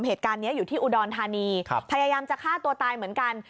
เหตุการณ์นี้อยู่ที่อุดรธานีพยายามจะฆ่าตัวตายเหมือนกัน